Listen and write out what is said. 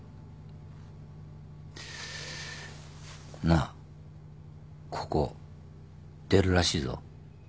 なあここ出るらしいぞ。